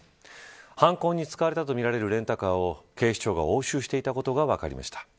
犯行に使われたとみられるレンタカーを警視庁が押収していたことが分かりました。